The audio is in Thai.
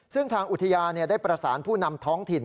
ซึ่งทางอุทยานได้ประสานผู้นำท้องถิ่น